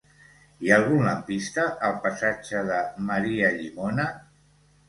Hi ha algun lampista al passatge de Maria Llimona?